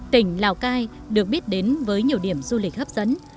tỉnh lào cai được biết đến với nhiều điểm du lịch hấp dẫn